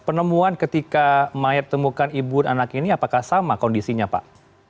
penemuan ketika mayat temukan ibu dan anak ini apakah sama kondisinya pak